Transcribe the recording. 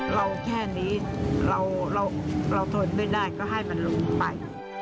เราแค่นี้เราทนไม่ได้ก็ให้มันลงไป